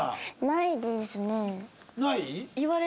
ない？